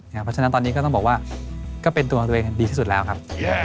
เพราะฉะนั้นตอนนี้ก็ต้องบอกว่าก็เป็นตัวตัวเองดีที่สุดแล้วครับ